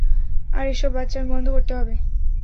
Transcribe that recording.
আর এসব বাচ্চামি বন্ধ করতে হবে।